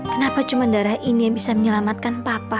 kenapa cuma darah ini yang bisa menyelamatkan papa